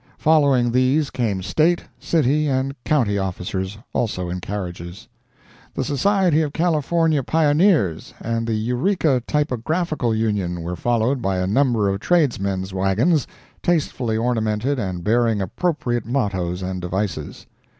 Following these came State, city and county officers, also in carriages. The Society of California Pioneers and the Eureka Typographical Union were followed by a number of tradesmen's wagons, tastefully ornamented and bearing appropriate mottoes and devices.